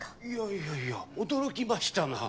いやいや驚きましたな。